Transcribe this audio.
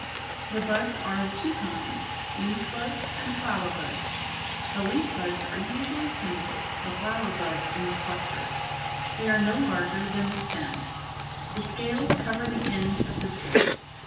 The buds are of two kinds, leaf buds and flower buds. The leaf buds are usually single, the flower buds in ^ clusters. They are no larger than the ofAfPLE. stem. The scales cover the end of the twig.